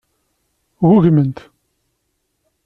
Ggugment.